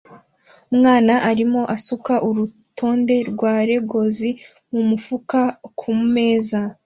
Umwana arimo asuka urutonde rwa Legos mumufuka kumeza